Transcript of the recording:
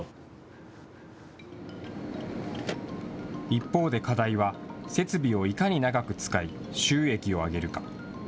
一方で課題は、設備をいかに長く使い、収益を上げるか。